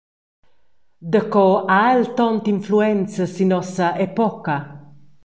Daco ha el tonta influenza sin nossa epoca?